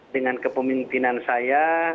dengan kepemimpinan saya